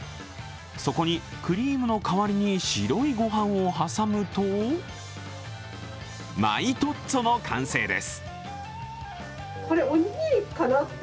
そこにクリームの代わりに白いご飯を挟むと米トッツォの完成です。